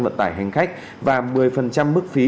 vận tải hành khách và một mươi mức phí